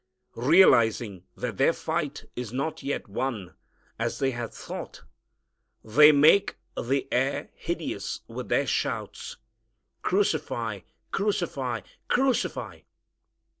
Realizing that their fight is not yet won as they had thought, they make the air hideous with their shouts, "Crucify crucify crucify."